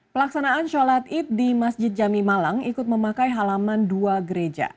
pelaksanaan sholat id di masjid jami malang ikut memakai halaman dua gereja